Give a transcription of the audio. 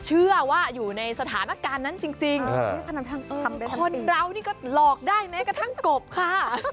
เชื่อว่าอยู่ในสถานการณ์นั้นจริงคนเรานี่ก็หลอกได้แม้กระทั่งกบค่ะ